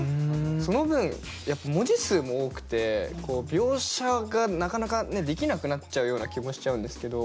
その分やっぱ文字数も多くて描写がなかなかねできなくなっちゃうような気もしちゃうんですけど。